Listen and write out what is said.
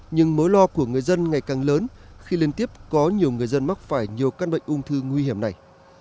nhưng mối lo của người dân ngày càng lớn khi liên tiếp có nhiều người dân mắc phải nhiều căn bệnh ung thư nguy hiểm này